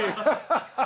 ハハハハ！